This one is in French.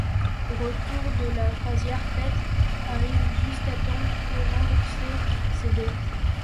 Au retour de la croisière, Pete arrive juste à temps pour rembourser ces dettes.